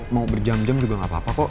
mau berjam jam juga nggak apa apa kok